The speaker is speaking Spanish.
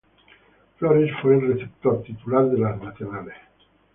Flores fue el receptor titular de los Nacionales.